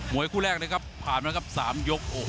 มวยคู่แรกนะครับผ่านมีแค่๓ยก